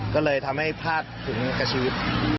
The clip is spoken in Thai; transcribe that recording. ก็เลยทำให้พลาดถึงกับชีวิต